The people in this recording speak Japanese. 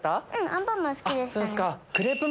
『アンパンマン』好きでしたね。